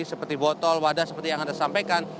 seperti botol wadah seperti yang anda sampaikan